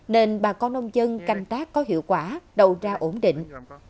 nên bà con nông dân canh tác có hiệu quả đầu ra ổn định